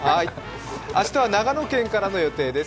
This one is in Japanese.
明日は長野県からの予定です。